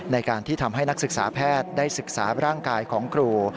ในการที่ทำให้นักศึกษาแพทย์ได้ศึกษาร่างกายของครู